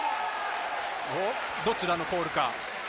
どちらのコールか。